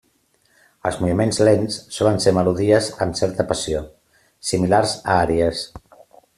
Els moviments lents solen ser melodies amb certa passió, similars a àries.